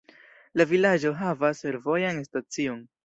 La vilaĝo havas fervojan stacion.